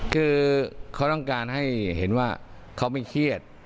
คือเขาต้องการให้เห็นว่าเขาไม่เครียด